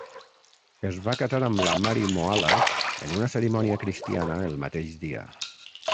Es va casar amb la Mary Moala en una cerimònia cristiana el mateix dia.